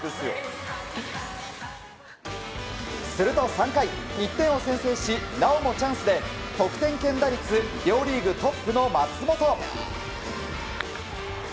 すると３回、１点を先制しなおもチャンスで得点圏打率両リーグトップの松本。